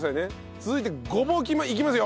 続いてごぼういきますよ。